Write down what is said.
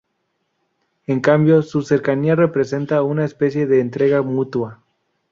En cambio, su cercanía representa una especie de entrega mutua.